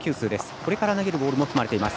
これから投げるボールも含まれています。